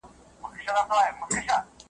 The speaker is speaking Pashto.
یا د میني په امید یو تخنوي مو راته زړونه .